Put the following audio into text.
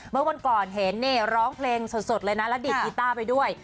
เมื่อวันก่อนเห็นนี่ร้องเพลงสดเลยนะแล้วดีดกีต้าไปด้วย